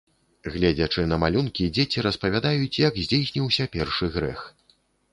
Гледзячы на малюнкі, дзеці распавядаюць, як здзейсніўся першы грэх.